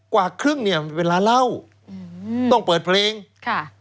กว่าครึ่งเนี่ยมันเป็นร้านเหล้า